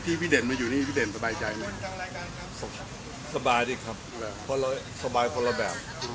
พี่พี่เด่นมาอยู่นี่พี่เด่นสบายใจหมดสบายดีครับแบบเพราะเราสบายคนละแบบ